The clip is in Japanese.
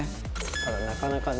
ただなかなかね。